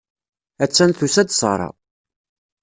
Attan tusa-d Sarah.